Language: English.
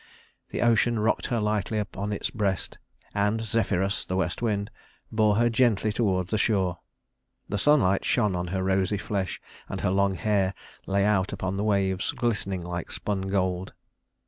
The ocean rocked her lightly on its breast, and Zephyrus, the west wind, bore her gently toward the shore. The sunlight shone on her rosy flesh, and her long hair lay out upon the waves, glistening like spun gold.